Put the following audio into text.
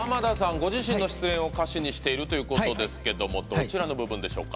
ご自身の失恋を歌詞にしているということですけどもどちらの部分でしょうか？